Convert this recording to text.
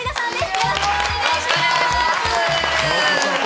よろしくお願いします。